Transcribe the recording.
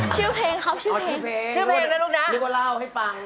ชื่อเพลงครับชื่อเพลงชื่อเพลงนี่ก็เล่าให้ฟัง